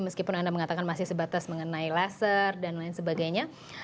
meskipun anda mengatakan masih sebatas mengenai laser dan lain sebagainya